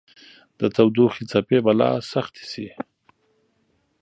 د تودوخې څپې به لا سختې شي